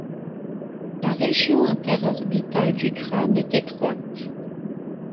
La région interorbitale du crâne est étroite.